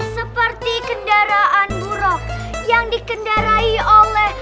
seperti kendaraan burok yang dikendarai oleh